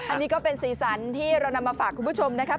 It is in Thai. อันนี้ก็เป็นสีสันที่เรานำมาฝากคุณผู้ชมนะครับ